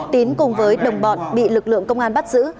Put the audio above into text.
tín cùng với đồng bọn bị lực lượng công an bắt giữ